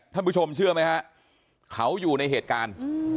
ท่านผู้ชมเชื่อไหมฮะเขาอยู่ในเหตุการณ์